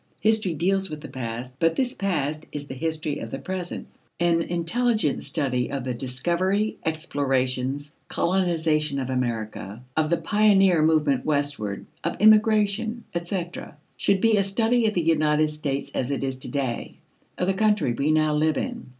History deals with the past, but this past is the history of the present. An intelligent study of the discovery, explorations, colonization of America, of the pioneer movement westward, of immigration, etc., should be a study of the United States as it is to day: of the country we now live in.